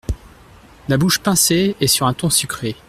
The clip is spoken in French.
La bouche pincée et sur un ton sucré.